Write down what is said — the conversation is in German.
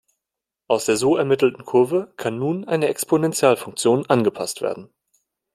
Aus der so ermittelten Kurve kann nun eine Exponentialfunktion angepasst werden.